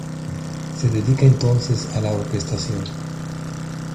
Se dedica entonces a la orquestación.